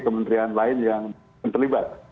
kementerian lain yang terlibat